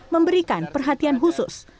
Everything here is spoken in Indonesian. memberikan perhatian khusus